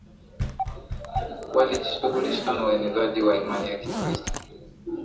walijishughulisha na uenezaji wa Imani ya Kikristo